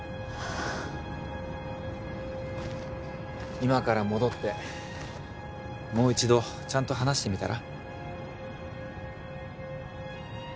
今から戻ってもう一度ちゃんと話してみたら？